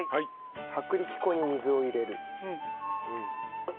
薄力粉に水を入れる。